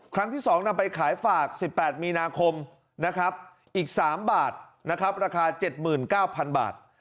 ครั้งที่๒นำไปขายฝาก๑๘มีนาคมอีก๓บาทราคา๗๙๐๐๐บาท